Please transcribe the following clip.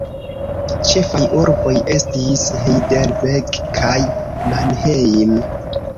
Ĉefaj urboj estis Heidelberg kaj Mannheim.